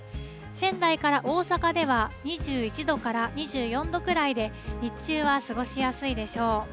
仙台から大阪では２１度から２４度くらいで、日中は過ごしやすいでしょう。